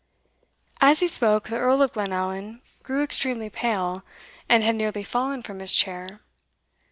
As he spoke, the Earl of Glenallan grew extremely pale, and had nearly fallen from his chair.